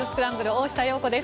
大下容子です。